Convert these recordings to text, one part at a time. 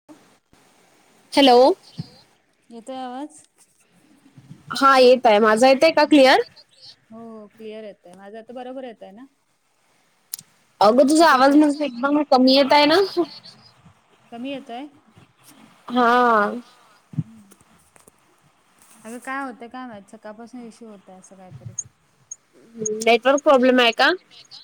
[unintelligible] Hello. Hello... येतोय आवाज? हा येत आहे... माझा येतंय का क्लिअर? हो क्लिअर येतय... माझं आता बरोबर येतोय ना? अगं तुझा आवाज... न... एकदमनं कमी येत आहे ना कमी येतोय? हा. अगं काय होतय काय माहीत... सकाळपासून इश्यू होतोय असं कायतरी. नेटवर्क? नेटवर्क प्रॉब्लेम आहे का?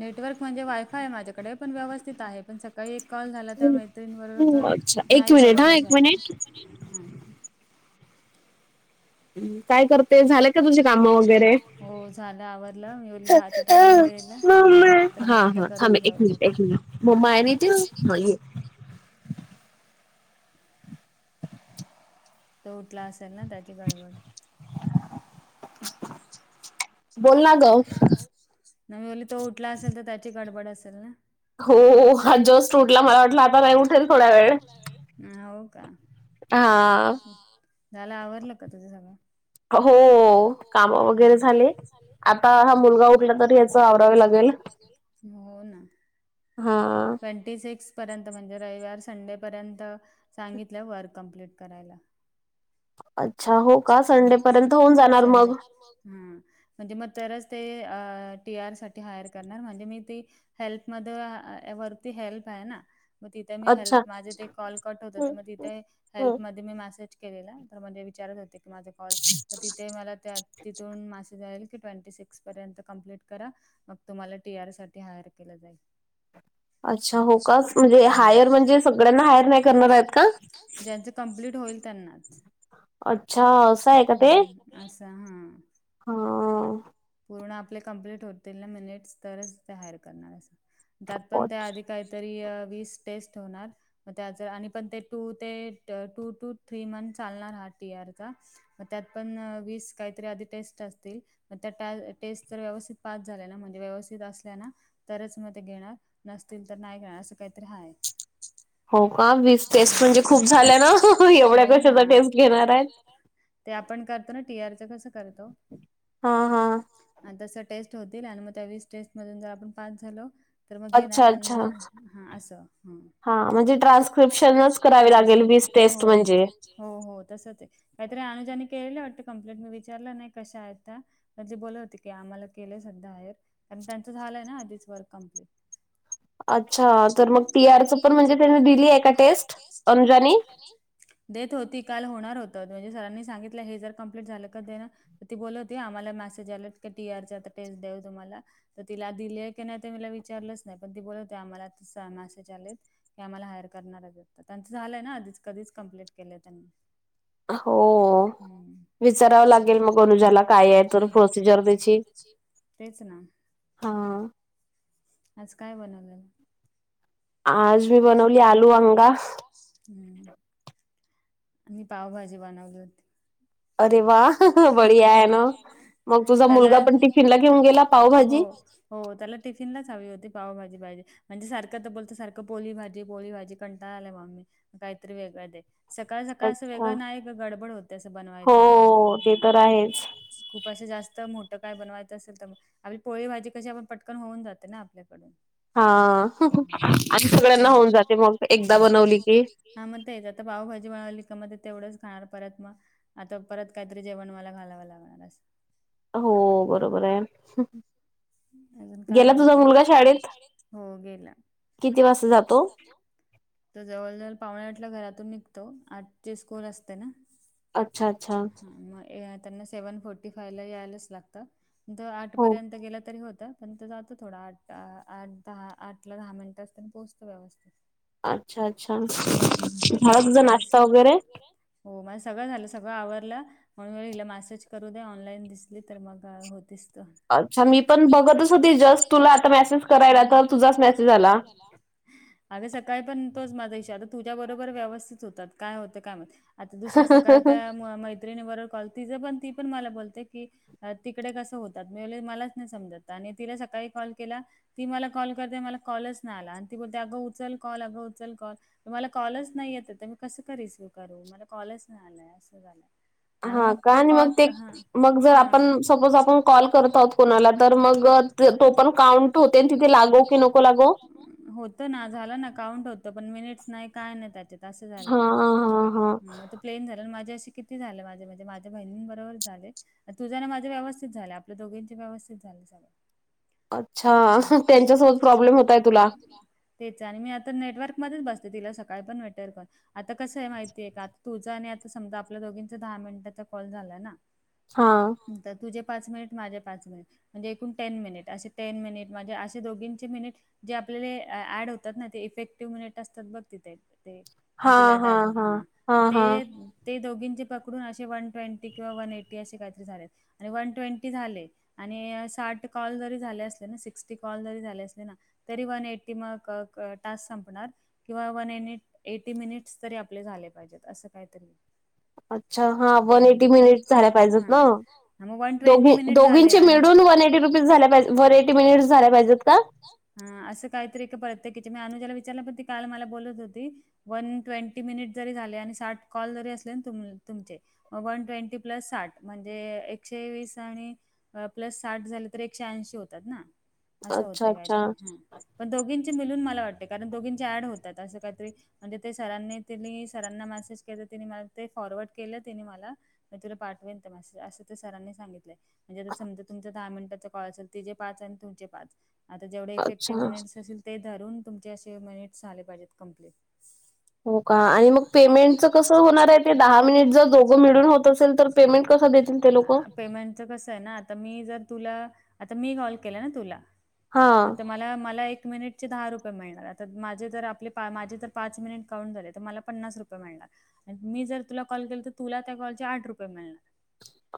नेटवर्क म्हणजे वायफाय माझ्याकडे पण व्यवस्थित आहे पण सकाळी एक कॉल झाला त्या मैत्रिणीबरोबर तर नाही बरोबर झालं.. एक मिनिट हा एक मिनिट... हूं. काय करते, झालं का तुझी काम वगैरे? हा मम्मी... हा हा... थांब एक मि निट... एक मि निट... मम्मा आहे ना इथे... हूं... ये. तो उठला असेल ना त्याची गडबड [unintelligible] बोल ना ग ना मी बोलली तो उठला असेल तर त्याची गडबड असेल ना हो हो हा जस्ट उटला मला वाटलं आता नाही उठेल थोड्या वेळ ह हो का झाला आवरंल का तुझं सगळं हो काम वगैरे झाले आता हा मुलगा उठला तरी याच आवरावे लागेल. हम्म हो ना हा ट्वेंटी सिक्स पर्यंत म्हणजे रविवार संडेपर्यंत सांगितलंय वर्क कम्प्लीट करायला. अच्छा हो का संडेपर्यंत होऊन जाणार मग हा म्हणजे मग तरच ते टी आर साठी हायर करणार म्हणजे मी ती हेल्पमध् वरती हेल्प आहे ना मग तिथे मी हेल्प माझे ते कॉल कट होत तर मग तिथे हेल्पमध्ये मी मेसेज केलेला तर म्हणजे विचारत होते की माझे कॉल तर तिथे मला त्या तिथून मासेज आलेला की ट्वेंटी सिक्सपर्यंत कंप्लीट करा. मग तुम्हाला टी आर साठी हायर केलं जाईल. अच्छा हो का म्हणजे हायर म्हणजे सगळ्यांना हायर नाही करणार आहेत का? ज्यांच कंप्लीट होईल त्यांनाच हो असा आहे. असं हा हा पूर्ण आपले कम्प्लीट होतील ना मिनिट्स तरच ते हायर करणार असं त्यात पण ते अधिक काहीतरी वीस टेस्ट होणार. मग त्याच आणि पण ते टू ते टू टू थ्री मंथ चालणार हा टी आर चा मग त्यात पण वीस काहीतरी आधी टेस्ट असतील. तर टास्क टेस्ट तर व्यवस्थित पाच झाल्या ना म्हणजे व्यवस्थित असल्या ना तरच मग ते घेणार, नसतील तर नाही घेणार, असं काहीतरी हाय. हो का, वीस टेस्ट म्हणजे खूप झाल्या ना, एवढ्या कशाचा टेस्ट घेणार आहेत? ते आपण करतो ना, टी आरचं कसं करतो? हा हा तस टेस्ट होतील, आणि मग त्या वीस टेस्ट मधून जर आपण पास झालो तर मग घेणार ह, असं ट्रान्सस्क्रीप्शन हो हो हो तसच आहे काहीतरी अनुजांनी केलेलं वाटत कंप्लिट मी विचारलं नाही कशा आहे त्या त्यांली बोल होते की आम्हाला केले सध्या हायर कारण त्यांचं झालंय ना आधीच वर्क कम्प्लीट [unintelligible] अच्छा, तर मग पी आर च पण म्हणजे त्यानी दिली आहे का टेस्ट? अनुजानी देत होती, काल होणार होत, म्हणजे सरांनी सांगितलं हे जर कंप्लीट झालं का देण तर ती बोलत होती आम्हाला मेसेज आलेत टी आर आता टेस्ट द्याऊ तुम्हाला तर तिला दिलेय की नाही ते मला विचारलंच नाही पण ती बोलत होती आम्हाला मेसेज आलेत. की आम्हाला हायर करणार आहेत त्यांचं झालंय ना आधीच कधीच कंप्लीट केलंय त्यांनी. हो, विचारावं लागेल मग अनुजाला काय आहे. काय आहे प्रोसिजर त्याची, तेच ना. हा आज काय बनवलं? आज मी बनवली आलू वांगा हम् आणि पावभजी बनवली होती. अरे वा बढिया आहे ना, मुलगा पण टिफिन घेऊन गेला. हो, त्याला टिफिनलाच हवी होती, पावभाजी पाहि म्हणजे सारखा तो बोलतो सारखं पोली भाजी, पोळी भाजी कंटाळा आलाय मम्मी, काहीतरी वेगळं दे. सकाळ सकाळ असं वेगळं नाय ग, गडबड होते असं बनवायचं खूप असं जास्त मोठं काय बनवायचं असेल त आणि पोळी भाजी कशी आपण पटकन होऊन जाते ना आपल्याकडून हां असं सगळ्यांना होऊन जाते मग, एकदा बनवली की हा मग तेच, आता पावभजी बनवली का मग ते तेवढंच खाणार परत मग आता परत काहीतरी, जेवण मला घालावं लागणार आज हो, बरोबर आहे. अजून काय बोलते, हो गेला. किती वाजता जातो? तर जवळ जवल पावणे आठ ला घरातून निघतो, आठची स्कूल असते ना. ह, मग त्यांना सेव्हन फोर्टी फाईव्ह ला यायलाच लागत. जर आठ पर्यंत गेलात तरी होतं, पण तो जातो थोडा आठ, आठ दहा आठ ला दहा मिन्ट असताना पोहोचतो व्यवस्थित अच्छा अच्छा, झाला तुझा नाश्ता वगैरे? हो, माझ सगळं झालं, सगळं आवरलं. म्हणून हिला मॅसेज करू दे, ऑनलाईन दिसली तर मग होतीस तु अच्छा, मी पण बघतच होती जस्ट तुला आता मेसेज करायला, तर तुझाच मेसेज आला. हला अगे सकाळी पण तोच माझा इशार, तुझ्या बरोबर व्यवस्थित होतात, काय होतं काय माहिती आता दुसऱ्या सकाळ त्या मुळं मैत्रिणी बरोबर कॉल, तिज पण ती पण मला बोलते की, तिकडे कसं होतात मी बोलले मला नाही समजत आणि तिला सकाळी कॉल केला ती मला कॉल करते मला कॉलच नाही आला, आणि ती बोलते अगं उचल कॉल अगं उचल कॉल मला कॉलच नाही येते तर मी कसं का रिसीव्ह करू, मला कॉलच नाही आलाय, असं झालंय. हा का, आणि मग ते मग जर आपण, सपोज आपण कॉल करत आहोत फोन आला तर मग टोटल काउन्ट होत्यात की लागू की नको लागू. तो झाला ना काउंट होतो पण मिनिट्स नाही काय नाही त्याच्यात असं झालंय प्लेन झाले ना माझे असे किती झाले माझे म्हजे माझ्या बहिणीं बरोबर झालेत. तुझं आणि माझं व्यवस्थित झालं आपल्या दोघींचे व्यवस्थित झाले सगळं. अच्छा त्यांच्यासोबत प्रॉब्लेम होताय तुला तेच आणि मी आता नेटवर्कमध्येच बसते तिला सकाळ पण नेटवर्क आता कसं आहे माहिती आहे का आता तुझं आणि आता समजा आपल्या दोघींचा दहा मिनिटाचा कॉल झालाय ना. हा तर तुझे पाच मिनिट माझे पाच मिनिट म्हणजे एकूण टेन मिनिट असे टेन मिनिट म्हणजे असे दोघींचे मिनिट जे आपल्याले ऍड होतात ना ते इफेक्टिव्ह मिनिट असतात बघ तिथे. ते मी तुला डास बघ हा ते ते दोघींचे पकडून असे वन ट्वेंटी किंवा वन एटी असे काहीतरी झालेत आणि वन ट्वेंटी झालेत. आणि साठ कॉल जरी झाले असले ना, सिक्स्टी कॉल जरी झाले असले ना तरी वन एट्टी मग क क टास संपणार? किंवा वन एनिट - एटी मिनिट्स तरी आपले झाले पाहिजेत. असं कायतरी. [inaudible] ह, हा. वन टवेंटी मिनिट दोघींची मिळून वन एटी रुपीज झाले पायजे, वन एटी मिनिट् झाल्या पाहिजेत का? हा, असं काहीतरी प्रत्येकीची. कि मी अनुजाला विचारलं, पण ती काल मला बोलत होती वन ट्वेंटी मिनिट जरी झाले. आणि साठ कॉल जरी असले तुमचे वन ट्वेंटी प्लस साठ. म्हणजे, एकशे वीस आणि प्लस साठ झाले तर, एकशे ऐंशी होतात ना. असं होतय काहीतरी. हा. पण दोघींचे मिलून मला वाटते. कारण, दोघींचे ऍड होतात. असं काहीतरी म्हणजे ते सरांनी, तिनी सरांना मेसेज केलं. तिने म ते फॉरवर्ड केलं तिने मला. म तुला पाठवेल तो मेसेज. असं ते सरांनी सांगितलंय. म्हणजे आता समजा, तुमचा दहा मिनिटाचा कॉल असेल. तिजे पाच अन् तुमचे पाच. आता जेवढे इफेक्टिव्ह मिनिट्स असेल. ते धरून तुमचे असे मिनिट्स, झाले पाहिजेत कम्प्लीट. हो, का? आणि मग पेमेंटच कसं होणारय? ते दहा मिनिट जर दोघं मिळून होत असेल, तर पेमेंट कसं देतील ते लोकं? पेमेंटच कस आहे ना. आता मी जर तुला, आता मी कॉल केला ना तुला मग त मला- मला एक मिनिट चे दहा रुपये मिळणार. आता माझे जर आपले माझे जर पाच मिनिट काउंट झाले. तर मला पन्नास रुपये मिळणार. मी जर तुला कॉल केल तर, तुला त्या कॉलचे आठ रुपये मिळणार.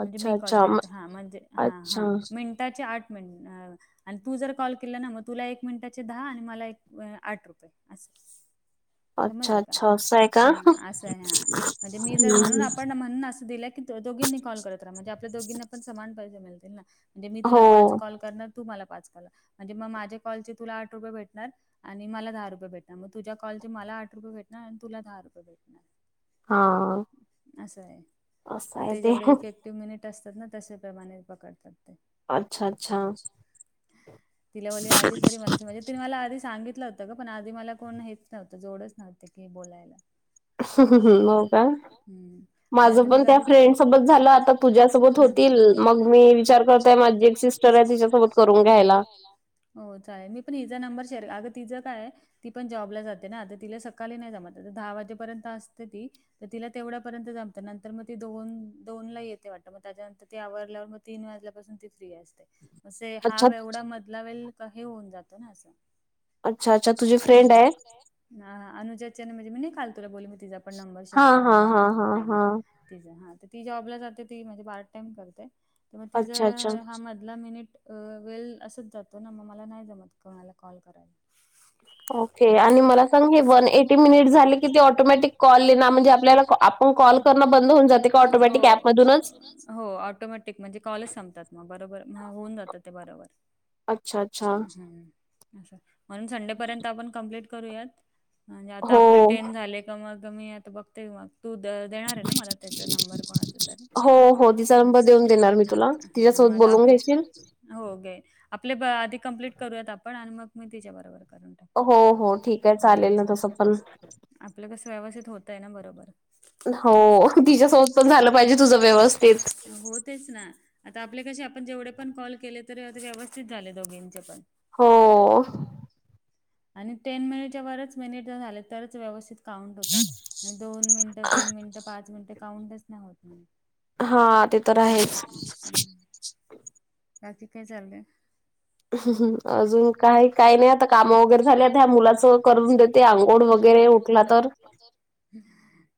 अच्छा, अच्छा. म हा म्हणजे, हा, हा. मिनटाचे आठ मिन अ आणि तू जर कॉल केला ना. मग तुला एक मिनिटाचे दहा. आणि मला एक आठ रुपये. असं. [inaudible] समजलं का? अच्छा, अच्छा. ह. असंय, हा. म्हणजे मी जर म्हणून आपण म्हण असं दिलं की दोघींनी कॉल करत राहा. म्हणजे आपल्या दोघींना पण समान पैसे मिळतील ना. म्हणजे मी तुला पाच कॉल करणार तू मला पाच कला. म्हणजे म माझे कॉलचे तुला आठ रुपये भेटणार आणि मला दहा रुपय भेटणार. मग तुझ्या कॉलचे मला आठ रुपये भेटणार आणि तुला दहा रुपये भेट हा. असय ते. मिनिट असतात ना. तशाप्रमाणे पकडतात ते. अच्छा, अच्छा. तिला बोले, आधी तरी बोलायचं म्हणजे तिने मला आधी सांगितलं होतं गं. पण आधी मला कोण हेच नव्हतं. जोडच नव्हते की, बोलायला. [unintelligible] हं. आता मी कधीच. फ्रेंड सोबत झालं आता तु तुझ्यासोबत होतील. मग मी विचार करतोय माझी एक सिस्टरय, तीझ्यासोबत करून घ्यायला. हो चालेल. मी पण हिचा नंबर शेअर, अगं तिचं काय ती पण जॉबला जाते ना. आता तिला सकाळी नाही जमत. आ दहा वाजेपर्यंत असते ती. तर तिला तेवढ्यापर्यंत जमत. नंतर मग ती दोन- दोन ला येते वाटत मग त्याच्यानंतर ती आवरल्यावर, मग तीन वाजल्यापासून ती फ्री असते. म असय, हा एवढा मधला वेल का हे होऊन जातं ना, असं. अच्छा, अच्छा. तुझी फ्रेंडय. ह, अनुजा च्या म्हणजे मी नाही काल तुला बोलली. मी तिचा पण नंबर शेअर करन. झाला तर. ह. तिजा. हा, ती जॉबला जाते. ती म्हणजे, पार्ट टाइम करते. तर मग तिज अ हा मधला मिनिट अ वेल असच जातो ना. मग मला नाही जमत. कोणाला कॉल करायला. ओके. आणि मला सांग. हे वन एटी मिनिट झाले की, ते ऑटोमॅटिक कॉले ना, म्हणजे आपल्याला पग कॉल करण बंद होन जाते का? ऑटोमॅटिक ऍपमधूनच हो ऑटोमॅटिक म्हणजे कॉलच संपतात मग बरोबर होऊन जातात ते बरोबर. म्हणून संडेपर्यंत आपण कंप्लीट करूयात म्हजे आता आपले टेन झाले का मग कमीता बघतेय मग तू द देणार आहे ना मला त्याचा नंबर कोणाचा तर? हो हो तिचा नंबर देऊन देणार मी तुला, तिच्यासोबत बोलवून घेशील. हो गे आपले आधी कंप्लीट करूयात आपण आणि मग मी तिच्या बरोबर हो हो ठीक आहे चालेल तसं पण. आपलं कसं व्यवस्थित होत आहे ना बरोबर हो तिच्यासोबत पण झालं पाहिजे तुझं व्यवस्थित हो तेच ना आता आपल्या कशी आपण जेवढे पण कॉल केले तरी आता व्यवस्थित झाले दोघींचे पण. हो. आणि टेन मिनिटच्या वरच मिनिट जर झाले तरच व्यवस्थित उं होतात दोन मिनिट तीन मिनिट पाच मिनिट काउंट च नाही होत. हा ते तर आहेच. बाकी काय चाललंय? अजून काही काही नाही आता कामा व वगैर झाल्या त्या मुलाच करून देते आंघोळ वगैरे उठला तर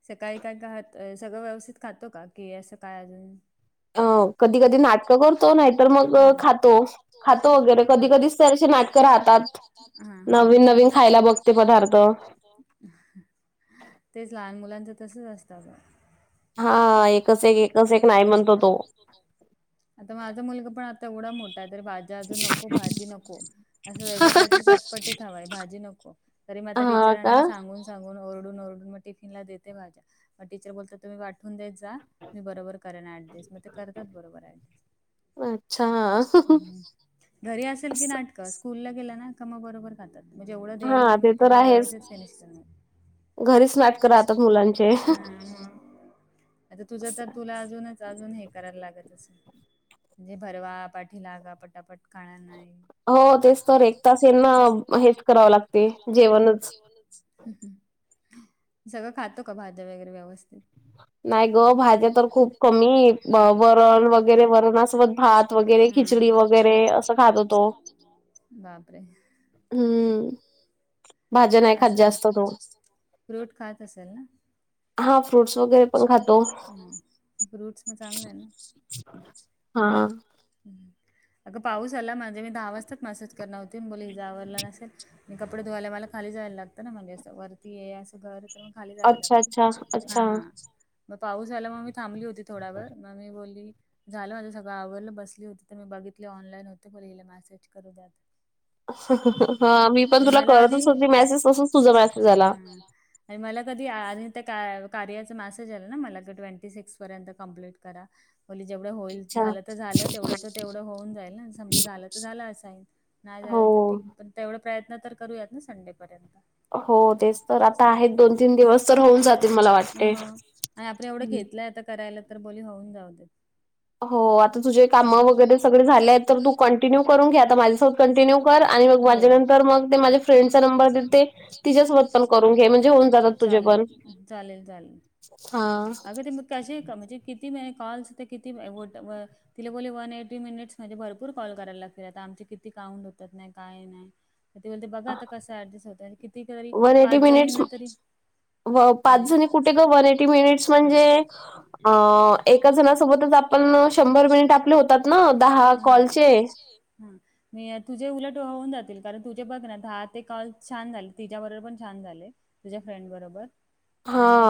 सकाळी कायात सगळं व्यवस्थित खातो का कि असं काय अजून अ कधी कधी नाटकं करतो, नाहीतर मग खातो खातो वगैरे कधी कधी कधी कधी सर नाटकं राहतात [inaudible] नवीन नवीन खायला बघतो पदार्थ. तेच लहान मुलांचं तसच असत. हा एकच एक एकच एक नाही म्हणतो तो आता माझा मुलग पण आता एवढा मोठा आहे तर भाज्या अजून नको भाजी नको असं वेगळं काही चटपटीत हवाय भाजी नको तरी मग टीचरांना सांगून सांग सांगून ओरडून ओरडून मग टिफिन ला देते भाज्या मग टीचर बोलता तुम्ही पाठवून देत जा मी बरोबर करा ना स म ते करतात बरोबर आहेस. घरी असेल कि नाटकं स्कूल ला गेलं ना मा बरोबर खात म्हणजेवढं दे्याईल ना मी तेवढं व्यवस्थित नाही. आता तुझ तर तुला अजूनच अजून हे करायला लागत अस म्हणजे भरवा पाठी लागा पटापट खाणार नाही. हो तेच तर एक तास यांना हेच करावं लागते जेवणच सगळं खातो का भाज्या वगैरे व्यवस्थित नाही ग भाज्या तर खूप कमी वरण वगैरे वरणासोबत भात गरे बापरे [unintelligible] हम्म, भाज्या नाही खात जास्त तो. फ्रुट खात असेल ना? ह फ्रूट्स म चांगले आहे ना हा, हा अगं पाऊस आला म्हणजे मी दहा वाजताच मसेज करणार होती बो हिज आवरला नसेल. मी कपडे धूवायला मला खाली जा झायला लागतना मले म्हणज असत वरती या असं घर तर मग खाली जाव लागत ह ह मग पाऊस आला म्हणून मग मी थांबली होती. थोडा मग मी बोली झाल माझ सगळं आवरलं बस होती तर मी बघितले ऑनलाईन होते हिला मेसेज करू द्यात. आण मला आधी आणि मला कधी आज त्या कार्याच मेसेज आल ना मला की ट्वेंटी सिक्स पर्यंत कंप्लीट करा. बोली जेवढं होईल झालं तर झालं तेवढं तर तेवढं होऊन जाईल समजा झालं तर झालं असाइन. नाही झाल तर ठीक पण तेवढा प्रयत्न तर करूयात ना संडेपर्यंत. हो तेच तर आता आहेत दोन तीन दिवस तर होऊन जातील मला वाटतेय. आणि आपण एवढ घेतलंय आता करायला तर, बोली होऊन जाऊ देत. हो आता तुझे काम वगैरे सगळे झाले आहेत तर, तू कंटिन्यू करून घे आता माझ्यासोबत कॉन्टिन्यू कर आणि मग माझ्या नंतर मग ते फ्रेंड्स चा पण नंबर देते तिच्या सोबत पण करून घे म्हणजे होऊन जातात तुझे पण, हा. करशील का? म्हणजे किती महिने कॉल्स, ते किती वोट्स [unintelligible] तिला बोलले वन एटी मिनिट्स म्हणजे भरपूर कॉल करायला लागतील आता आमचे किती काउंट होतात नाही काय नाही. ते बोलते बघा आता कसा ऍडजेस्ट होत आणि किती तरी पाच जणींना तरी हो पाच जणी कुठे ग वन एटी मिनिट्स म्हणजे अ एका जणासोबतच आपण शंभर मिनिट आपले होतात ना दहा कॉलचे. हम. मी तुझे उलट होऊन जातील कारण तुझे बघ ना दहा ते काल छान झाले तिझ्या बरोबर पण छान झाले. तुझ्या फ्रेंड बरोबर आणि